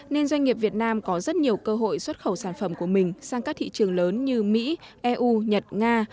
nên doanh nghiệp việt nam có rất nhiều cơ hội xuất khẩu sản phẩm của mình sang các thị trường lớn như mỹ eu nhật nga